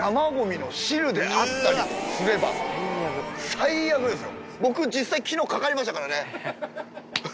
最悪ですよ。